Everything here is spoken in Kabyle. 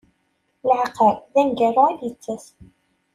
Laɛqel, d aneggaru i d-ittas.